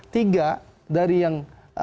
tiga dari yang